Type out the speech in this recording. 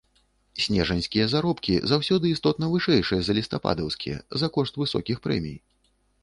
Снежаньскія заробкі заўсёды істотна вышэйшыя за лістападаўскія за кошт высокіх прэмій.